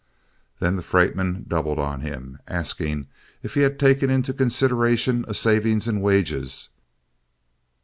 Then the freight men doubled on him, asking if he had taken into consideration a saving in wages.